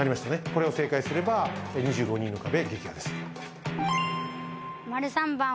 これを正解すれば２５人の壁撃破です。